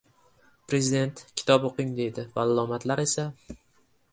Prezident kitob o‘qing deydi, vallomatlar esa...